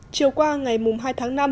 chiều qua ngày hai tháng năm